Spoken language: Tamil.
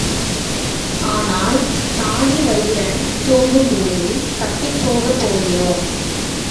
ஆனால், தாழிவயிறன் தூங்கும்போது தப்பிப் போக போகிறோம்.